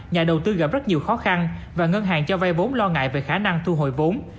nhà đầu tư gặp rất nhiều khó khăn và ngân hàng cho vay vốn lo ngại về khả năng thu hồi vốn